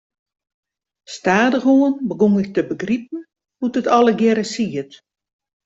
Stadichoan begûn ik te begripen hoe't it allegearre siet.